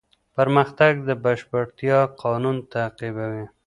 پرمختګ د بشپړتیا قانون تعقیبوي.